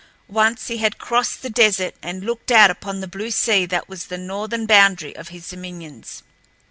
Once he had crossed the desert and looked out upon the blue sea that was the northern boundary of his dominions.